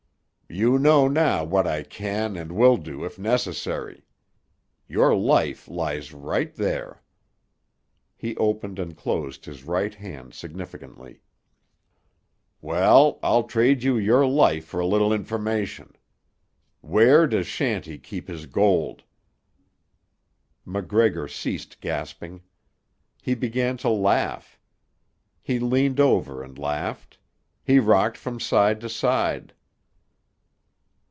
You know now what I can and will do if necessary. Your life lies right there." He opened and closed his right hand significantly. "Well, I'll trade you your life for a little information. Where does Shanty keep his gold?" MacGregor ceased gasping. He began to laugh. He leaned over and laughed. He rocked from side to side.